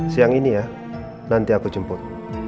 siang ini ya nanti aku jemput